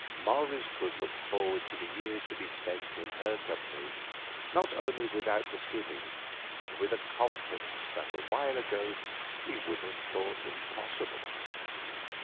Morris could look forward to the years to be spent in her company not only without misgiving, but with a confidence that a while ago he would have thought impossible.